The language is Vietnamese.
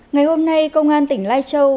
ngày hôm nay công an tỉnh lai châu